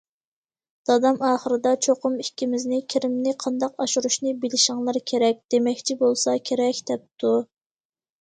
دادام ئاخىرىدا چوقۇم ئىككىمىزنى كىرىمنى قانداق ئاشۇرۇشنى بىلىشىڭلار كېرەك، دېمەكچى بولسا كېرەك، دەپتۇ.